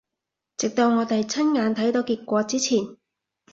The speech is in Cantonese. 直到我哋親眼睇到結果之前